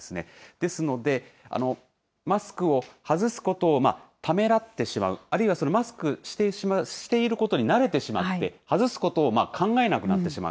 ですので、マスクを外すことをためらってしまう、あるいはマスクしていることに慣れてしまって、外すことを考えなくなってしまう。